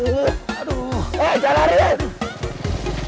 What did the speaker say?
hei jangan lari